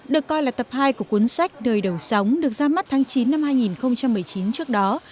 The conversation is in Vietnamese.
được coi là tập hai của cuốn sách nơi đầu sóng được ra mắt tháng chín năm hai nghìn một mươi chín trước đó